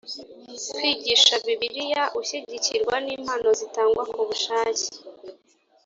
kwigisha Bibiliya ushyigikirwa n’impano zitangwa ku bushake